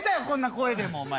こんな声でも。